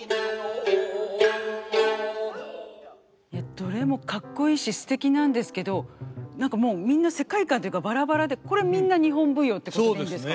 どれもかっこいいしすてきなんですけど何かもうみんな世界観というかバラバラでこれみんな日本舞踊ってことでいいんですか？